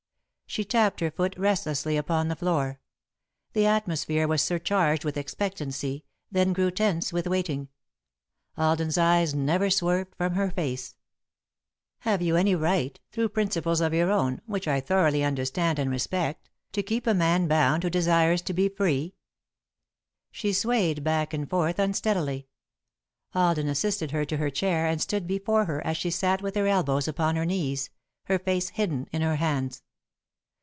She tapped her foot restlessly upon the floor. The atmosphere was surcharged with expectancy, then grew tense with waiting. Alden's eyes never swerved from her face. [Sidenote: What Right?] "Have you any right, through principles of your own, which I thoroughly understand and respect, to keep a man bound who desires to be free?" She swayed back and forth unsteadily. Alden assisted her to her chair and stood before her as she sat with her elbows upon her knees, her face hidden in her hands.